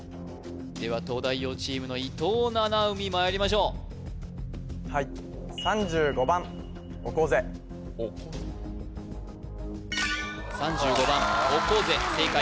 では東大王チームの伊藤七海まいりましょうはい３５番オコゼ正解